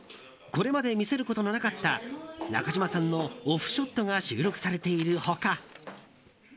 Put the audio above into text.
これまで見せることのなかった中島さんのオフショットが収録されている他。